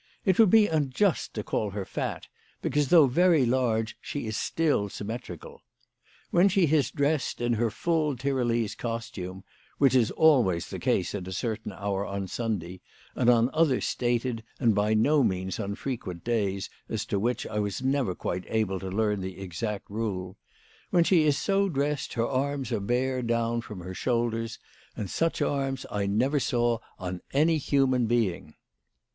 It would be unjust to call her fat, because though very large she is still symmetrical. When she is dressed in her full Tyrolese costume, which is always the case at a certain hour on Sunday, and on other stated and by no means unfrequent days as to which I was never quite able to learn the exact rule, when she is so dressed her arms are bare down from her shoulders, and such arms I never saw on any human being.